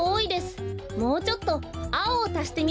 もうちょっとあおをたしてみましょう。